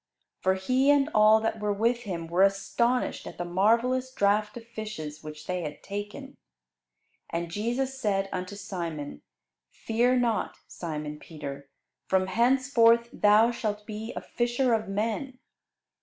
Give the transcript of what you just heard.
For he and all that were with him were astonished at the marvellous draught of fishes which they had taken. And Jesus said unto Simon, "Fear not, Simon Peter; from henceforth thou shalt be a fisher of men."